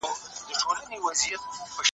د پوهني وزارت د نویو ودانیو د جوړولو بودیجه لري؟